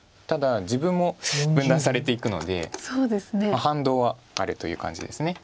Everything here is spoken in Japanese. ただ自分も分断されていくので反動はあるという感じです。